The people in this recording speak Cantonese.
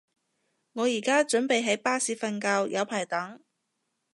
我而家準備喺巴士瞓覺，有排等